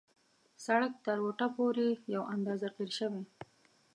سړک تر وټه پورې یو اندازه قیر شوی.